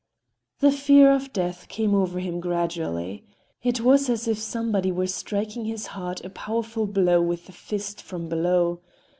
The fear of death came over him gradually. It was as if somebody were striking his heart a powerful blow with the fist from below.